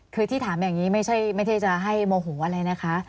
คือที่ถามอย่างนี้ไม่ใช่จะให้โมโหอะไรนะคะ